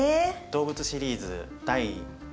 動物シリーズ第２問。